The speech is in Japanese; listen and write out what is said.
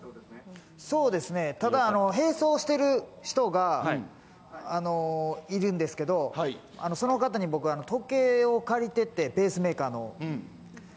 そうですね、ただ、並走してる人がいるんですけど、その方に僕、時計を借りてて、ペースメーカーの。